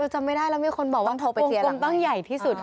จำไม่ได้แล้วมีคนบอกว่ากุมต้องใหญ่ที่สุด